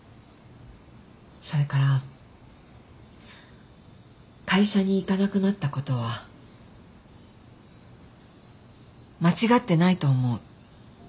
それから会社に行かなくなったことは間違ってないと思う。